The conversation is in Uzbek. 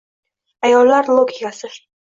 Ayollar logikasi